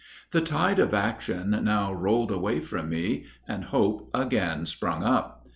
The tide of action now rolled away from me and hope again sprung up.